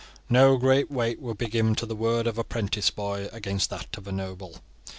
No great weight would be given to the word of a 'prentice boy as against that of a noble.